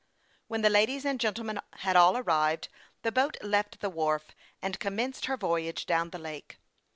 When the ladies and gentlemen had all arrived, the boat left the wharf, and commenced her voyage down the lake.